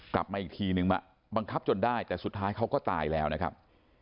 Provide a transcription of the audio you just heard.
กลับมาอีกทีนึงมาบังคับจนได้แต่สุดท้ายเขาก็ตายแล้วนะครับ